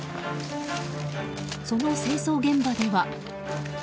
その清掃現場では。